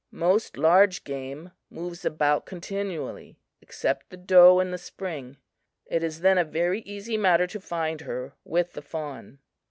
Most large game moves about continually, except the doe in the spring; it is then a very easy matter to find her with the fawn.